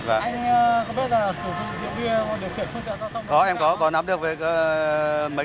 anh có biết là sử dụng dịp bia để khuyển phương trạng giao thông